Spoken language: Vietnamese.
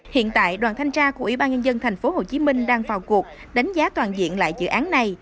hiện tại đoàn thanh tra của ủy ban nhân dân thành phố hồ chí minh đang vào cuộc đánh giá toàn diện lại dự án này